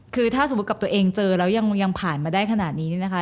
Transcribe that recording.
คือถ้าสมมุติกับตัวเองเจอแล้วยังผ่านมาได้ขนาดนี้นี่นะคะ